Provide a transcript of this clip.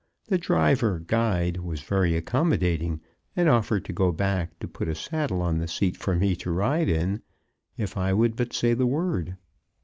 The driver guide was very accommodating and offered to go back to put a saddle on the seat for me to ride in, if I would but say the word.